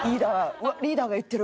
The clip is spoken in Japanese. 「うわっリーダーが言ってる」。